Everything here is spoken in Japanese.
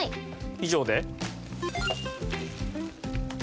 以上で。